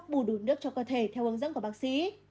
bù đun nước cho cơ thể theo hướng dẫn của bác sĩ